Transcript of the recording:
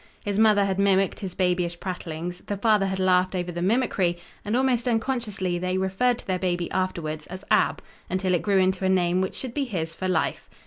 His mother had mimicked his babyish prattlings, the father had laughed over the mimicry, and, almost unconsciously, they referred to their baby afterward as "Ab," until it grew into a name which should be his for life.